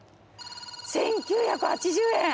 １，９８０円。